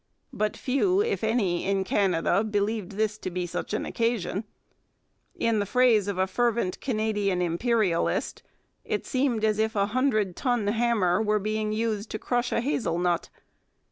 But few, if any, in Canada believed this to be such an occasion. In the phrase of a fervent Canadian imperialist, it seemed as if a hundred ton hammer was being used to crush a hazel nut.